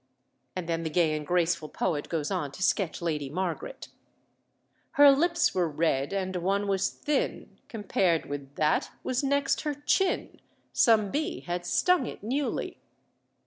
And then the gay and graceful poet goes on to sketch Lady Margaret "Her lips were red, and one was thin, Compared with that was next her chin. Some bee had stung it newly."